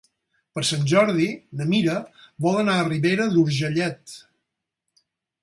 Per Sant Jordi na Mira vol anar a Ribera d'Urgellet.